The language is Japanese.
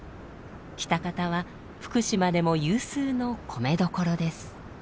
喜多方は福島でも有数の米どころです。